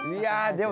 でも。